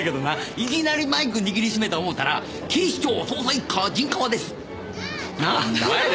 いきなりマイク握り締めた思うたら「警視庁捜査一課陣川です！」なぁ。ホンマやで。